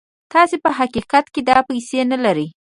تاسې په حقيقت کې دا پيسې نه لرئ.